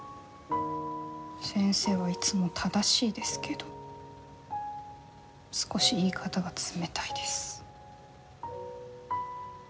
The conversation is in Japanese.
先生はいつも正しいですけど少し言い方が冷たいです。